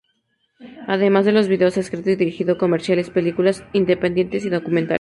Además de los videos, ha escrito y dirigido comerciales, películas independientes y documentales.